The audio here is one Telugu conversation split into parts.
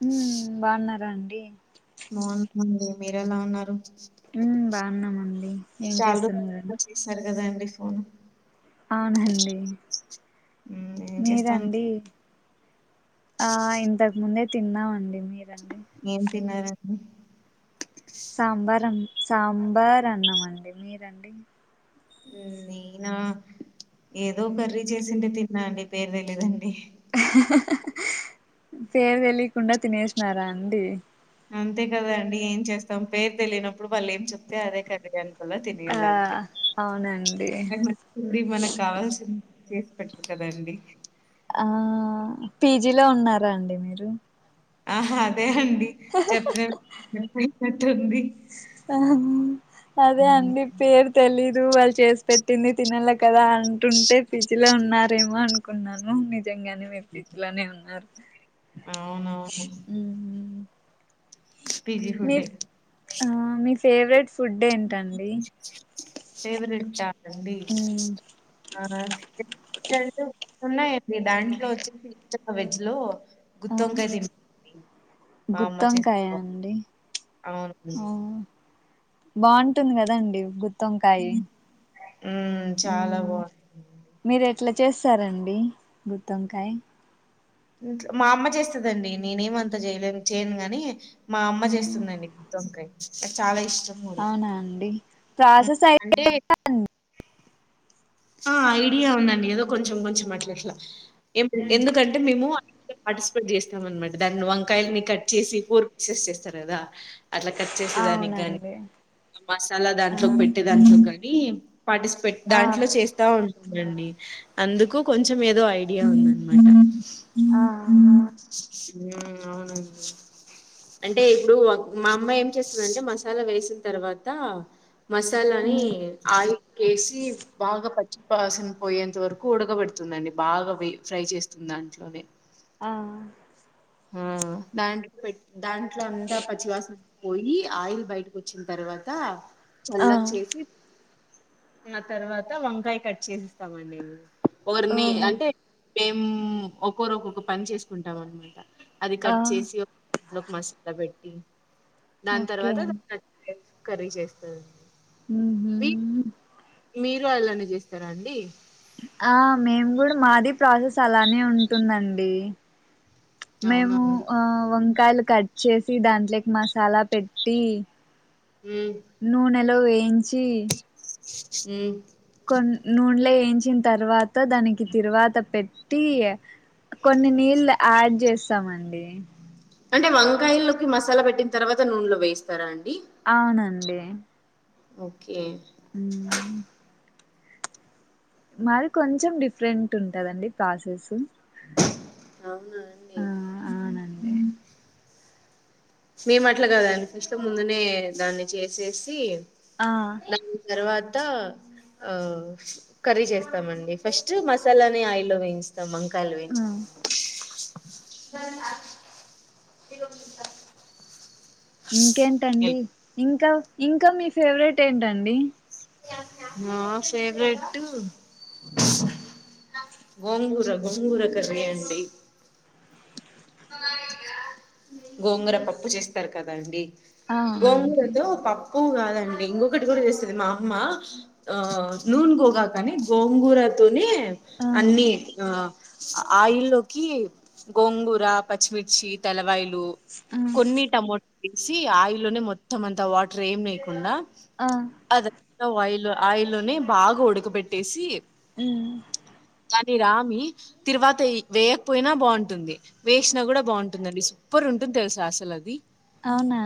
హ బాగున్నారా అండి అండి మీరు ఎలా ఉన్నారు బాగున్నామండి ఏం చేస్తున్నారుని కదా అడి ఫోన్ అవునండి మ్మ్, ఏం చేస్తాను మీరండి ఆ ఇంతకు ముందే తిన్నామండి మీరు ఏం తిన్నారడి సాంబార్ అ సాంబార్ అన్నామ అండి మీరండి నేనా ఏదో కర్రీ చేసింటే తిన్నా అండి పేరు తెలియదండి పేరు తెలియకుండా తినేసినారా అండి అంతే కదా అండి ఏం చేస్తాం పేరు తెలియనప్పుడు వాళ్ళు ఏం చెప్తే అదే కద అండి లా ఆ తిినగలా అంతే అవునండి మ మనకు కావాల్సింది చేసి పెట్టు కదండి ఆ పీజిలో ఉన్నారా అండి మీరు ఆ అదే అండి చెప్ప చెప్పినట్టు ఉంది అదే అండి పేరు తెలిదు వాళ్ళు చేసి పెట్టింది తినలే కదా అంటుంటే పీజీ లో ఉన్నారేమో అనుకున్నాను నిజంగానే మీ పట్లోనే ఉన్నారు అవునవును పీజీ మీ ఫుడ్డే మీ ఫేవరెట్ ఫుడ్ ఏంటండి ఫేవరేట్ హ అండి హా ఉన్నాయండి దాంట్లో వచ్చే ఇ వెజ్ లో గుత్తి వంకాయ తింపి గుత్తంకాయా అండి అవునండి బాగుంటుంది కదండి గుర్ గుత్తవంకయ్ ఉమ్ చాలా బాగుంది మీరే అట్లా చేస్తారంండి గుత్తంకాయ మా అమ్మ చేస్తదండి నేనేమంత చేయలే చేయను గాని మా అమ్మ చేస్తుందండి గుత్తొంకాయ్ నాకు చాలా ఇష్టం కూడా అవునా అండి ప్రాసెస్ అయితే అంటే ఆ ఐడియా ఉందండి ఏదో కొంచెం కొంచెం అట్లాట్లా ఎందుకంటే మేము పార్టిసిపేట్ చేస్తాం అనమాట దాన్ని వంకాయలని కట్ చేసి ఫోర్ పిక్సెస్ చేస్తారు కదా అట్లా కట్ చేసి అవునండి మసాలా దాంట్లో ఆ పెట్టే దాంట్లో కాని పాటిసిపెట్ ఆ దాంట్లో చేస్త ఉంటుండి అందుకు కొంచెం ఏదో ఐడియా ఉందనమాట ఆ ఆ అవునండి అంటే ఇప్పుడు మా అమ్మ ఏం చేస్తుందంటే మసాలా వేసిన తర్వాత మసాలాని ఉమ్ ఆయిల్ వేసి బాగా పట్ వాసన పోయేంత వరకు ఉడకబెడుతుందండి బాగా ఫ్రై చేస్తుంది దాంట్లోనే ఆ ఆ దాంట్లో పెట్ దాంట్లో అంతా పచ్చివాసన పోయి ఆయిల్ బయటకు వచ్చిన తర్వాత ఆ చల్లకు చేసి ఆ తర్వాత వంకాయ కట్ చేసిస్తామండి పొరని ఓహో అంటే మేము ఒకొరు ఒక్కొక్క పని చేసుకుంటాం అనమాట అది ఆ కట్ చేసి దాంట్లో ఒక మసాలా పెట్టి దాని ఓకే తర్వాత దాచ్చ కర్రీ చేస్తందిండి ఉహూ మీరు అలానే చేస్తారా అండి ఆ మేము కూడా మాది ప్రాసెస్ అలానే ఉంటుందండి అవునా మేము అండి ఆ వంకాయలు కట్ చేసి దాంట్లోకి మసాలా పెట్టి మ్మ్ నూనెలో వేయించి ఉం కొన్ నూన్ల వేయించిన తర్వాత దానికి తిరువాత పె ట్టి కొన్ని నీళ్లు యాడ్ చేస్తామండి అంటే వంకాయ లోకి మసాలా పెట్టిన తర్వాత నూనెలో వేస్తారా అండి అవునండి ఓకే అ మరి కొంచెం డిఫరెంట్ ఉంటందండి ప్రాసెస్ అవునా అండి ఆ అవునండి మేము అట్లా కదా అండి ముందునే దాన్ని చేసేసి ఆ దాని తర్వాత ఆ కర్రీ చేస్తామండి ఫస్ట్ మసాలాని ఆయిల్లో వేయి స్తము వంకాయలు ఆ వెంచుకున్నాక [inaudible] ఇంకేంటండి ఇంకా ఇంకా మీ ఫేవరెట్ ఏంటండి నా ఫేవరెట్ గోంగూర గోంగూర కర్రీ అండి గోంగర పప్పు చేస్తారు కదా అండి ఆ అవునండి గోంగూరతో పప్పు తక్కువ కాదండి ఇంకొకటి కూడా చేస్తుంది మా అమ్మ ఆ నూన్ గోగాకు అని గోంగూర తోనే ఆ అన్ని ఆయిల్ లోకి గోంగూర కూ పచ్చిమిర్చి తలవైలు ఆ కొన్ని టమో వేసి ఆయిల్నే మొత్తం అంత వాటర్ ఏం లేయకుండా ఆ అదంతా ఆయి ఆయిల్లోనే బాగా ఉడకబెట్టేసి ఉమ్ అది రామి తిరువాత వేయకపోయినా బాగుంటుంది వేసినా కూడా బాగుంటుందండి సూపర్ ఉంటుంది తెలుసు అసలు అది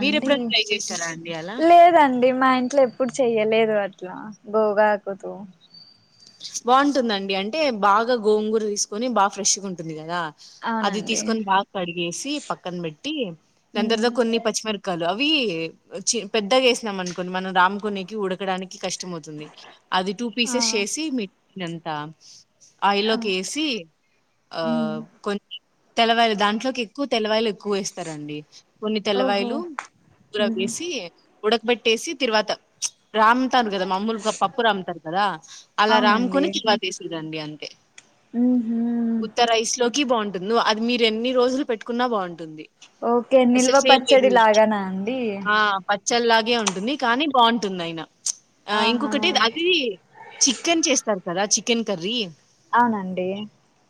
మీరు ఎప్పుడైనా ట్రై చేశారా అండి అలా లేదండి మా ఇంట్లో ఎప్పుడు చెయ్యలేదు వాట్లా గో బ్యాకు తూ బాగుంటుందండి అంటే బాగా గోంగూర తీసుకొని బాగా ఫ్రెష్గా ఉంటుంది కదా అది అవునండి తీసుకొని బాగా కడిగేసి పక్కన పెట్టి హ్మ్. దంతర్తో కొన్ని పచ్చిమిర క్కలు అవి పెద్దగా వేసినాం అనుకోని మనం రామ్ కొనేకి ఉడకడానికి కష్టం తుంది అది టూ ఆ పీసెస్ చేసి ఇదంతా ఆ ఆయిల్లోకి వేసి ఆ హ్మ్. కొంచం తెలవాయలు దాంట్లోకి ఎక్కు తెలవయలు ఎక్కువ వేస్తారండి కొన్ని ఓహో తెల్లవాయలు కూర హ్మ్. వేసి ఉడకబెట్టేసి తరువాత రామ్తారు కదా మామూలుగా పప్పు రామ్తారు కదా అలా రామ్ అవునండి కొని కివా తీసేదండి అంటే ఉహు ఉత్తరాయిస్ లోకి బాగుంటుంది వ్ అది మీరు ఎన్ని రోజులు పెట్టుకున్నా బాగుంటుంది ఓకే నిల్వ అసలు సేమ్ పచ్చడి లాగానా అండి చ్చల్లాగే ఉంటుంది కానీ బాగుంటుంది ఆయన ఆ ఆహా ఇంకొకటి అది చికెన్ చేస్తారు కదా చికెన్ కర్రీ అవునండి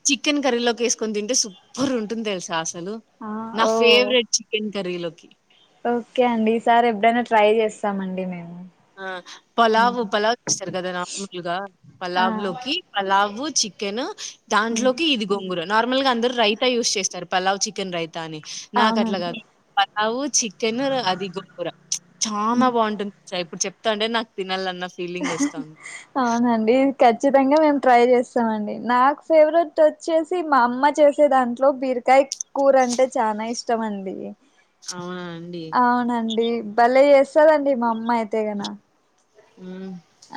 చికెన్ కర్రీలోకి వేసుకొని తింటే సూపర్ ఉంటుంది తెలుసా అసలు ఆ నా ఓ ఫేవరెట్ చికెన్ కరీలోొకి ఓకే అండి ఈసారి ఎప్పుడైనా ట్రై చేస్తామండి మేము ఆ పలావు్ హ్మ్. పలావ్ చేస్తారు కదా నార్ ముల్గా ఆ పలావ్ లోకి పలావ్ చికెన్ హ్మ్. దాంట్లోకి ఇది గొంగురు నార్మల్ గా అందరు రైత యూజ్ చేస్తారు పల్లావ్ చికెన్ రైత ని నాకు అట్లా అవునండి కాదు పలావు చికెన్ అది గోబూర చాలనా హ్మ్. బాగుంటుంది ఇప్పుడు చెప్తా అండే నాకు తినాలన్న ఫీలింగ్ వస్తుంది అవునండి ఖచ్చితంగా మేము ట్రై చేస్తామ అండి నాకు ఫేవరెట్ వచ్చేసి మా అమ్మ చేసే దాంట్లో బియా తరకాయ కూర అంటే చాలా ఇష్టంమంది అవునా అండి భళ్లే చేస్తదండి మా అమ్మాయి అయితే కన ఉ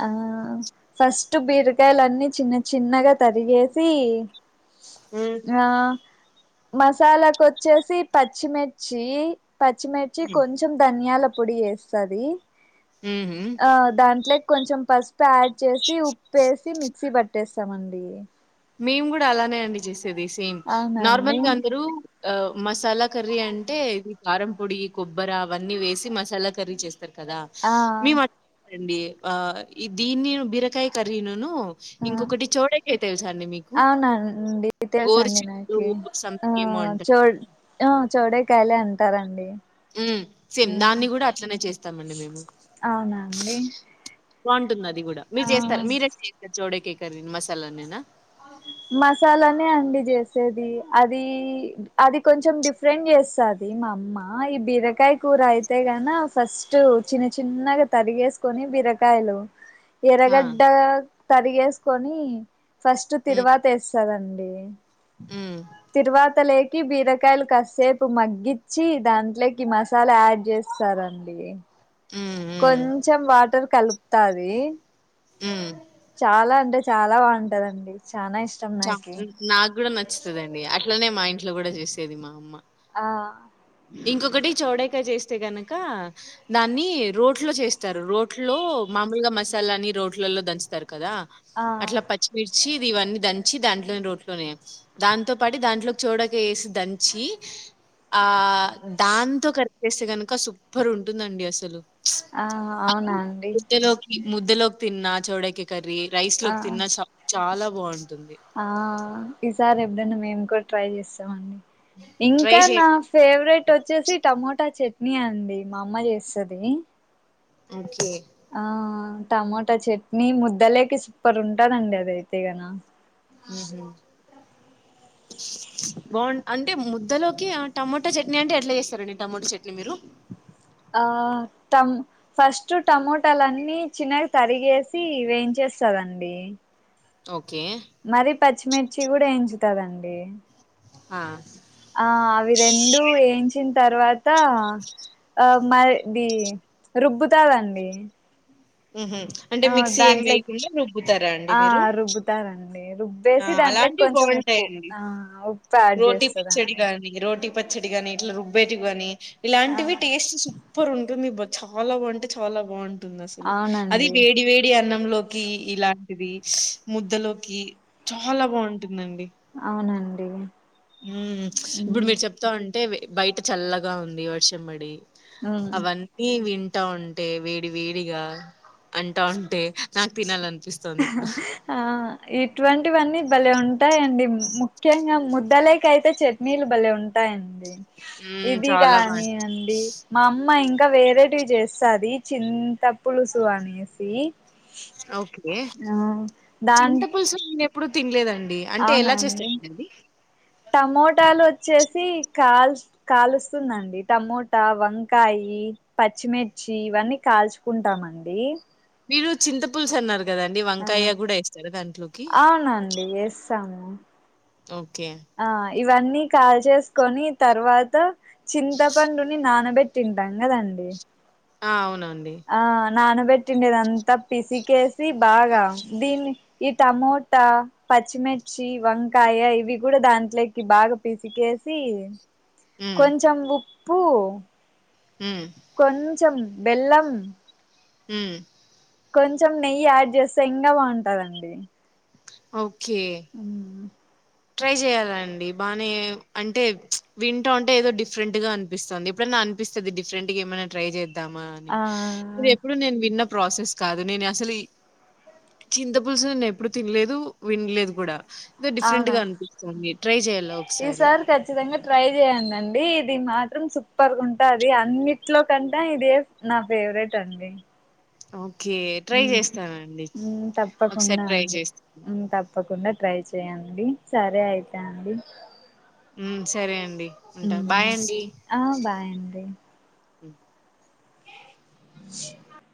ఆ ఫస్ట్ బీరకాయలన్నీ చిన్న చిన్నగా తరిగేసి ఉమ్. ఆ మసాలాకు వచ్చేసి పచ్చిమిర్చి పచ్చిమిర్చి కొంచెం ధనియాల వ ఉహు దాంట్లో కొ పసు యాడ్ చేసి ఉప్పేసి మిక్సీ పట్టేస్తామండి మేము కూడా అలానే అండి చేసేది సేమ్ అవునండి నార్మల్గా అందరూ ఆ మసాలా కర్రీ అంటే ఇది కారం పొడి కొబ్బర అవన్నీ వేసి మసాలా కర్రీ చేస్త కదా ఆ మీ అట్లాారండి ఆ ఈ దీన్ని బీరకాయ కర్రీనును ఆ ఇంకొకటి చోడక అయితా సార్ అవునండి తెల్స అండి చిక్కుడు నాకి ఆ సంథింగ్ ఏమో అంటారు. చో చ డే కాయలు అంటారండి ఉ సేమ్ దాన్ని కూడా అట్లనే చేస్తామండి మేము అవునా అండి బాగుంటుంది అది కూడా మీరు చేస్తారు ఆ మీరట్లా చేస్తారు చోడే కేకర న మసాలా నేనా మసాలానే అండి చేసేది అది అది కొంచెం డిఫరెంట్ చేస్తుంది మా అమ్మ ఈ బీరకాయ కూర అయితే న ఫస్ట్ చిన్న చిన్నగా తరిగేసుకొని బిరకయలో ఆ! ఎరగడ్డ తరిగేసుకొని ఫస్ట్ హ్మ్. తిరువాత వేస్తదండి హ్మ్. తిరువాతలేక్ కి బీరకాయలు కాస్సేపు మగ్గించి దాంట్లోకి మసాలా యాడ్ చేస్తారంండి హ్మ్. హ్మ్. కొంచెం వాటర్ కలుపుతది ఉమ్ చాలా అంటే చాలా బాగుంటదండి చానా ఇష్టం చ నాకి నాకు కూడా నచ్చుతదండి అట్లనే మా ఇంట్లో కూడా చేసేది మా అమ్మ ఆ ఇంకొకటి చౌడకా చేస్తే గనక దాన్ని రోట్లో చేస్తారు రోట్లో మామూలుగా మసాలాని రోట్లలో దంచుతారు కదా అట్ల ఆ పచ్చిమిర్చి పిచ్చి దాంట్లో రోట్లోనే దాంతో పాటు దాంట్లోకి చౌడకా వేసి దంచి ఆ దాంతో కర్రీ చేస్తే గనుక సూపర్ ఉంటుందండి అసలు ఆ అది అవునా అండి ముద్దలోకి ముద్దలోకి తిన్నా చౌడకా కర్రీ రైస్ ఆ లోకి తిన్నా చాలా బాగుంటుంది ఆ ఈసారి ఎప్పుడైనా మేము కూడా ట్రై చేస్తామండి ట్రై ఇంకా నా చేయండి ఫేవరెట్ వచ్చేసి టమటా చెట్ ట్నీ అండి మా అమ్మ చేస్తది ఓకే ఆ టమటా చట్నీ ముద్దలేకి సూపర్ ఉంటందండి అదయితే గన ఆహ బాగు అంటే ముద్దలోకి టమటా చట్నీ అంటే ఎట్ల చేస్తరండి టమటా చట్నీ మీరు ఆ ట ఫస్ట్ టమటాలన్నీ చిన్నగా తరిగేసి వేయించ చేస్తరండీ ఓకే పచ్చిమిర్చి కూడా వేయించుతరండి ఆ ఆ అవి రెండు వేయించి తర్వాత ఆ మ ఇది రుబ్బుతాదండి ఆహా అంటే ఆ మిక్సీ ఏమి దాంట్లోకి వేయకుండా రుబ్బుతారా అండి ఆ మీరు రుబ్బుతారండి ఆ రుబ్బేసి దాంట్లోకి అలాంటివి కొంచెం ఉప్పు బాగుంటాయండి ఆ ఉప్పు యాడ్ రోటీ పచ్చడి చేస్తదండి కానీ రో రోటి పచ్చడిగాని ఇట్లా రుబ్బేటియి గాని ఆ ఇలాంటివి టేస్ట్ సూపర్ ఉంటుంది చాలా బాగుంటే చాలా బాగుంటుంది అసలు అది అవునండి వేడి వేడి అన్నంలోకి ఇలాంటి ముద్దలోకి చాలా బాగుంటు అవునా అండి ఉమ్ ఇప్పుడు మీరు చెప్తా ఉంటే బయట చల్లగా ఉంది వర్షం పడి ఉమ్ అవన్నీ వింట అంటా ఉంటే వేడి వేడిగా అంటా ఉంటే నాకు తినాలని ఆ ఇటువంటివన్నీ భలే ఉంటాయండి ముఖ్యంగా ముద్దలేక అయితే చట్నీలు భలే ఉంటాయండి హ్మ్ ఇది చాలా కానీ బాగుంది అండి మా అమ్మ ఇంకా ఇంకా వేరేటియి చేస్తాది చింత పులుసు అనేసి ఓకే ఆ చింతపులుసు నేనెప్పుడూ తినలేదండి అంటే ఎలా అవునాండి చేస్తారండి అది టమటాలు వచ్ వచ్చేసి కాల్ కాలుస్తుందండి టమటా వంకాయి పచ్చిమిర్చి ఇవన్నీ కాల్చుకుంటామండి మీరు చింత పులుసు అన్నారు కదండి ఆ వంకాయ కూడా వేస్తారా దాంట్లోకి అవునండి వేస్తాము ఓకే ఆ ఇవన్నీ కాల్చేసుకొని తర్వాత చింతపండుని నానబెట్టి తింటాం కదండి ఆ అవునవును ఆ నానబెట్టిండదంతా పిసికేసి బాగా దీన్ని ఈ టమోటా పచ్చిమిర్చి వంకాయ ఇవి కూడా దాంట్లోకి బాగా పిసికేసి హ్మ్. కొంచెం ఉప్పు హ్మ్. కొంచం బెల్లం హ కొంచెం నెయ్యి యాడ్ చేస్తే ఇంకా బాగుంటదండి ఓకే మ్ ట్రై చేయాలండి బాగానే అంటే వింటా అంటే ఏదో డిఫరెంట్ గా అనిపిస్తుంది ఏప్పుడ నా అనిపిస్తాడు డిఫరెంట్ గా ఏమైనా ట్రై చేద్దామా అని ఆ ఎప్పుడో నేను విన్నా ప్రాసెస్ కాదు నేను అసలు చింత పులుసు నేను ఎప్పుడు తినలేదు వినలేదు కూడా డిఫరెంట్ గా అనిపిస్తుంది ట్రై చేయాలి ఈ సారీ కఖచ్చితంగా ట్రై దండి ఇది మాత్రం సూపర్గా ఉంటాది అన్నిట్లో కంట ఇదే నా ఫేవరెట్ అండి అఓ ఒకసారి తప్పకుండా ట్రై అండి చేస్తాను. తప్పకుండా ట్రై చెయండి సరే అయితే అండి ఉ సరే అండి ఉంటా ఉమ్ బాయ్ అండి ఆ బాయ్ అండి [unintelligible] [unintelligible]